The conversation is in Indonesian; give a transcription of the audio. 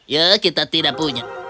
ya kita tidak punya